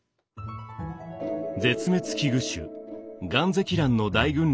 絶滅危惧種ガンゼキランの大群落が咲き誇る